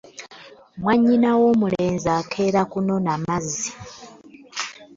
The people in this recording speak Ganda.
Mwannyina w’omulenzi akeera kunona mazzi.